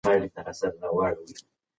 سوداګري مې په ډېر دقت پیل کړه.